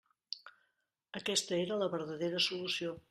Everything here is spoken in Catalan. Aquesta era la verdadera solució.